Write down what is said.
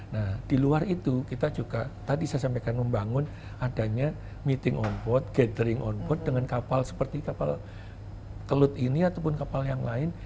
nah di luar itu kita juga tadi saya sampaikan membangun adanya meeting on board gathering on board dengan kapal seperti kapal kelut ini ataupun kapal yang lain